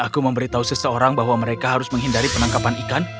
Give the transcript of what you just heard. aku memberitahu seseorang bahwa mereka harus menghindari penangkapan ikan